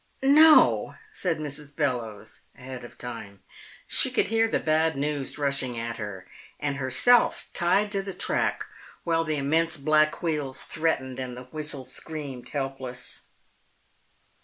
"No!" said Mrs. Bellowes ahead of time. She could hear the bad news rushing at her, and herself tied to the track while the immense black wheels threatened and the whistle screamed, helpless.